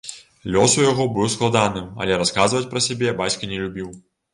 Лёс у яго быў складаным, але расказваць пра сябе бацька не любіў.